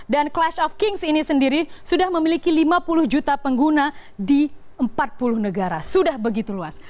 dan clash of kings ini sendiri sudah memiliki lima puluh juta pengguna di empat puluh negara sudah begitu luas